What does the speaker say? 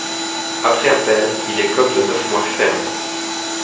Après appel, il écope de neuf mois ferme.